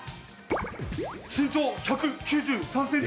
身長１９３ｃｍ！